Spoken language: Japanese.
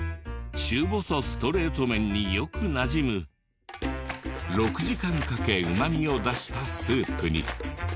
中細ストレート麺によくなじむ６時間かけうまみを出したスープに。